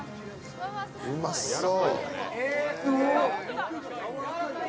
うまそう。